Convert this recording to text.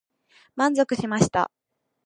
満足しました。